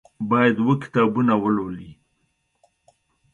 باید اووه کتابونه ولولي.